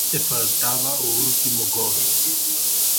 E faltaba o último gol.